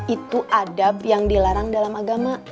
itu adab yang dilarang dalam agama